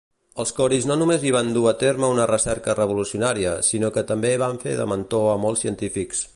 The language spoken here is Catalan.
Els Coris no només hi van dur a terme una recerca revolucionària, sinó que també van fer de mentor a molts científics.